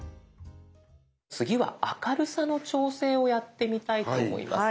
次は明るさの調整をやってみたいと思います。